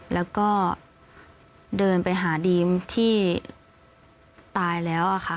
แล้วก็เดินไปหาดีมที่ตายแล้วค่ะ